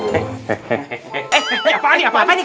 eh eh apaan nih apaan nih